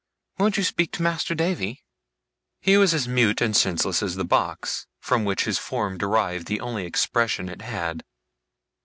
Won't you speak to Master Davy?' He was as mute and senseless as the box, from which his form derived the only expression it had.